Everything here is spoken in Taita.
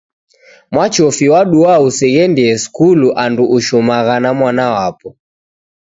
Mwachofu wadua useghendie skulu andu ushomagha na mwana wapo